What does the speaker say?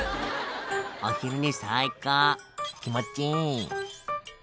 「お昼寝最高気持ちいい」